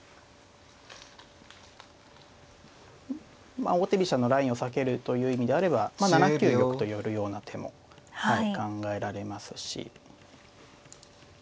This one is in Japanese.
まあ王手飛車のラインを避けるという意味であれば７九玉と寄るような手も考えられますし。